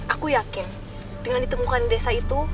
aku yakin dengan ditemukan desa itu